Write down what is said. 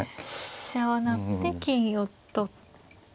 飛車を成って金を取って。